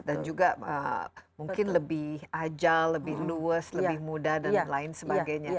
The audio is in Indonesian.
dan juga mungkin lebih ajal lebih luwes lebih muda dan lain sebagainya